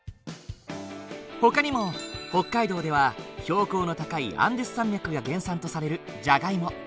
ほかにも北海道では標高の高いアンデス山脈が原産とされるジャガイモ。